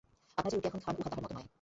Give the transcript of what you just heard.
আপনারা যে রুটি এখন খান, উহা তাহার মত নয়।